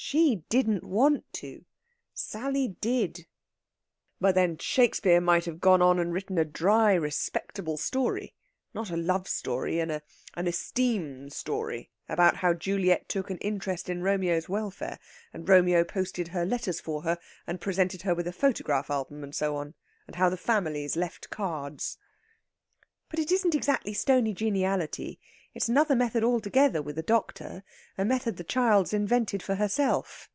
"She didn't want to. Sally did." "But then Shakespeare might have gone on and written a dry respectable story not a love story; an esteem story about how Juliet took an interest in Romeo's welfare, and Romeo posted her letters for her, and presented her with a photograph album, and so on. And how the families left cards." "But it isn't exactly stony geniality. It's another method altogether with the doctor a method the child's invented for herself."